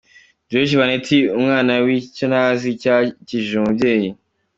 Joriji Baneti, umwana w’icyo ntazi, cyakijije umubyeyi.